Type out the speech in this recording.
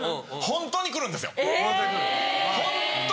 ホントに。